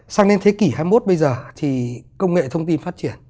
sang đến thế kỷ hai mươi một bây giờ thì công nghệ thông tin phát triển